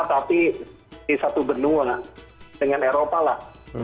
tapi di satu benua dengan eropa lah